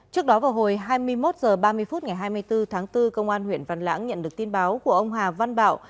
trước đó vào hồi hai mươi một h ba mươi phút ngày hai mươi bốn tháng bốn công an huyện văn lãng nhận được tin báo của ông hà văn bảo